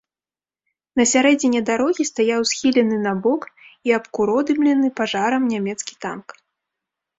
На сярэдзіне дарогі стаяў схілены набок і абкуродымлены пажарам нямецкі танк.